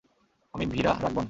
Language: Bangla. আমি ভীরা রাঘবন।